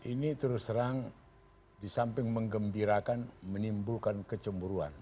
ini terus terang di samping mengembirakan menimbulkan kecemburuan